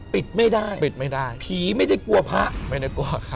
ปิดไม่ได้ปิดไม่ได้ผีไม่ได้กลัวพระไม่ได้กลัวใคร